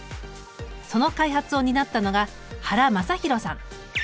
その開発を担ったのが原昌宏さん。